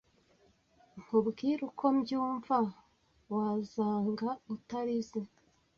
Nkubwire uko mbyumva wazanga utarize